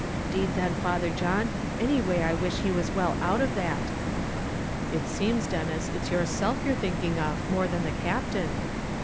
"'Deed then. Father John, any way I wish he was well out of that." "It seems, Denis, it's yourself you're thinking of, more than the Captain."